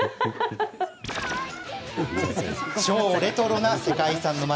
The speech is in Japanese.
超レトロな世界遺産の町。